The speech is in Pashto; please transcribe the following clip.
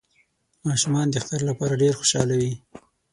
ماشومان د اختر لپاره ډیر خوشحاله وی